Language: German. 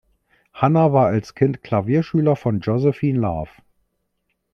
Hanna war als Kind Klavierschüler von Josephine Love.